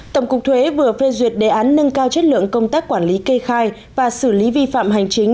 tổng cục thuế vừa phê duyệt đề án nâng cao chất lượng công tác quản lý cây khai và xử lý vi phạm hành chính